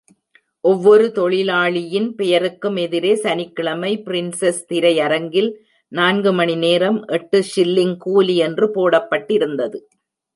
ஒவ்வொரு தொழிலாளியின் பெயருக்கும் எதிரே சனிக்கிழமை பிரின்ஸெஸ் திரைஅரங்கில் நான்கு மணிநேரம் எட்டுஷில்லிங் கூலி என்று போட்டிருந்தது.